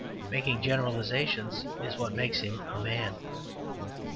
Making generalizations is what makes him a man.